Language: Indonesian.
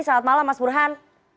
selamat malam mas burhan